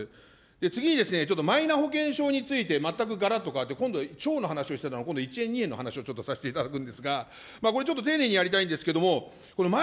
次に、ちょっとマイナ保険証について、全くがらっと変わって、今度、兆の話をしてたのを、１円、２円の話をちょっとさせていただくんですが、これ、ちょっと丁寧にやりたいんですけれども、このマイ